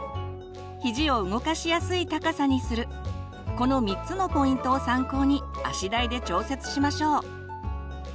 この３つのポイントを参考に足台で調節しましょう。